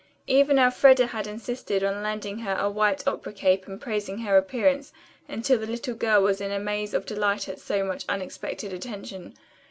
Even Elfreda had insisted on lending her a white opera cape and praising her appearance until the little girl was in a maze of delight at so much unexpected attention.